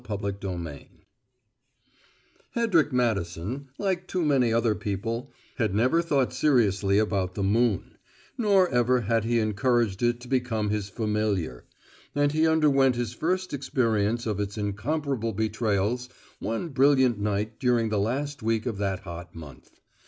CHAPTER EIGHT Hedrick Madison, like too many other people, had never thought seriously about the moon; nor ever had he encouraged it to become his familiar; and he underwent his first experience of its incomparable betrayals one brilliant night during the last week of that hot month.